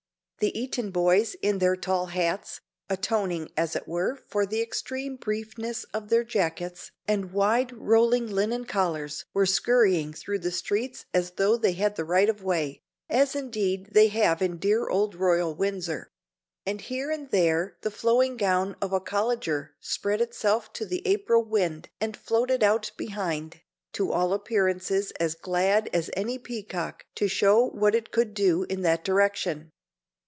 The Eton boys in their tall hats (atoning, as it were, for the extreme briefness of their jackets) and wide rolling linen collars were skurrying through the streets as though they had the right of way, as indeed they have in dear old royal Windsor; and here and there the flowing gown of a colleger spread itself to the April wind and floated out behind, to all appearances as glad as any peacock to show what it could do in that direction.